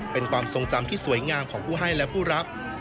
เป็นความทรงจำที่สวยงามของผู้ให้และผู้รับ